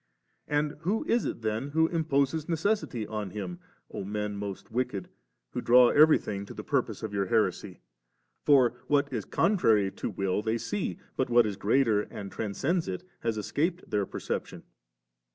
And who is it then who imposes necessity on Him, O men most wicked, who dnlw everything to the purpose of your heresy? for what is contrary to will they see ; but what is greater and transcends it has escaped their perception.